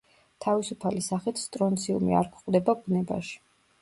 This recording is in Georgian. თავისუფალი სახით სტრონციუმი არ გვხვდება ბუნებაში.